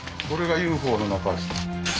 これがＵＦＯの中です